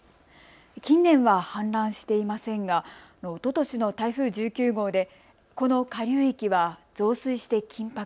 近年は氾濫していませんがおととしの台風１９号でこの下流域は増水して緊迫。